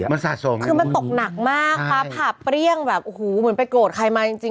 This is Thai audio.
มันตกหนักมากปราบผับเปรี้ยงแบบเหมือนไปโกรธใครมั้ยจริง